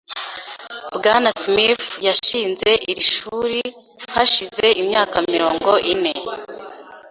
Bwana Smith yashinze iri shuri hashize imyaka mirongo ine .